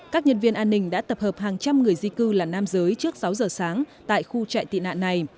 các nhân viên an ninh đã tập hợp hàng trăm người di cư là nam giới trước sáu giờ sáng tại khu trại tị nạn này